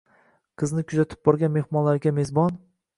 Qizni kuzatib borgan mehmonlarga mezbon